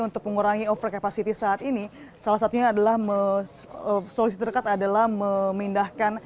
untuk mengurangi overcapacity saat ini salah satunya adalah menerus terdekat adalah memindahkan